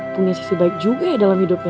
punya sisi baik juga ya dalam hidupnya